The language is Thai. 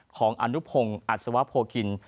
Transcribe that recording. ของอนุพงศ์อัศวะโพกิน